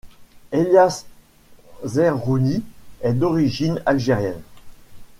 Elias Zerhouni est d'origine algérienne.